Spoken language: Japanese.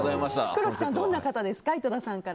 黒木さん、どんな方ですか？